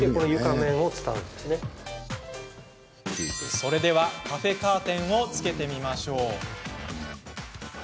それではカフェカーテンを付けてみましょう。